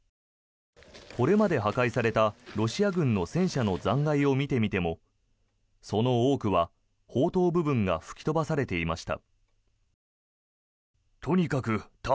これまで破壊されたロシア軍の戦車の残骸を見てみてもその多くは砲塔部分が吹き飛ばされていました。